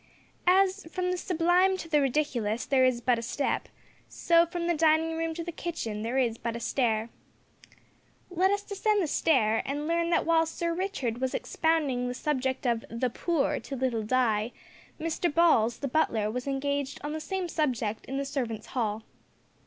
As from the sublime to the ridiculous there is but a step, so, from the dining room to the kitchen there is but a stair. Let us descend the stair and learn that while Sir Richard was expounding the subject of "the poor" to little Di, Mr Balls, the butler, was engaged on the same subject in the servants' hall.